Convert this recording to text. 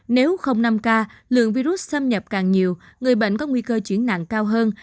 nếu không năm k lượng virus xâm nhập càng nhiều người bệnh có nguy cơ chuyển nạn cao hơn